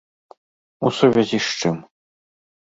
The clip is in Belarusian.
У сувязі з чым?